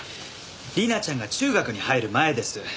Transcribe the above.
里奈ちゃんが中学に入る前です。